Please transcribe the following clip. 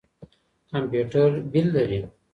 کمپيوټر بِل لري.